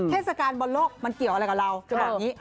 เทศกาลบอลโลกมันเกี่ยวอะไรกับเราจะแบบนี้